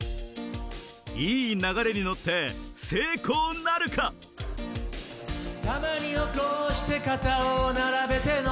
いい流れに乗って成功なるか？よし！